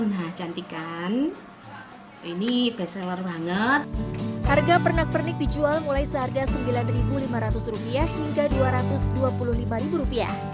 nah cantik kan ini best seller banget harga pernak pernik dijual mulai seharga sembilan ribu lima ratus rupiah hingga dua ratus dua puluh lima rupiah